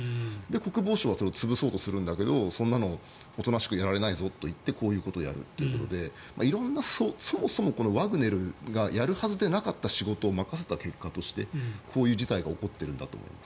国防省はそれを潰そうとするんだけどそんなのおとなしくやられないぞといってこういうことをやるということでそもそも、ワグネルがやるはずでなかった仕事を任せた結果としてこういう事態が起こっているんだと思います。